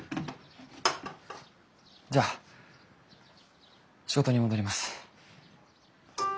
じゃあ仕事に戻ります。